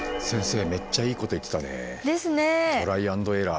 めっちゃいいこと言ってたね。ですね。